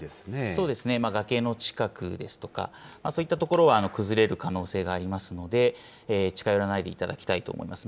そうですね、崖の近くですとか、そういった所は崩れる可能性がありますので、近寄らないでいただきたいと思います。